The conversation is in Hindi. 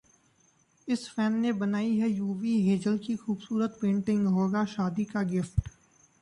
इस फैन ने बनाई है युवी-हेजल की खूबसरत पेंटिंग, होगा शादी का गिफ्ट